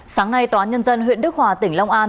sáng nay tòa án nhân dân huyện đức hòa tỉnh long an